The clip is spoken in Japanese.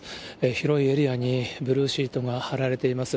広いエリアにブルーシートが張られています。